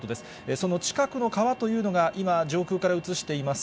その近くの川というのが、今、上空から写しています